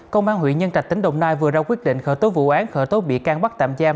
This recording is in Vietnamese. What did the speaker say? công an huyện nhân trạch tỉnh đồng nai vừa ra quyết định khởi tố vụ án khởi tố bị can bắt tạm giam